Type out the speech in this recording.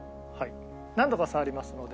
何度か触りますので。